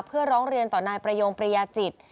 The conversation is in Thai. เพื่อร้องเรียนต่อนายประโยงปริยาจิต